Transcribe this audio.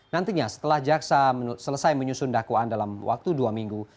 nantinya setelah jaksa selesai menyusun dakwaan dalam waktu dua minggu